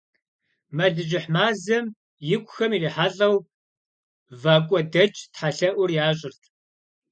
Мэлыжьыхь мазэм икухэм ирихьэлӀэу, вакӀуэдэкӀ тхьэлъэӀур ящӀырт.